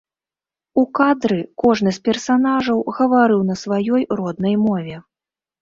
У кадры кожны з персанажаў гаварыў на сваёй роднай мове.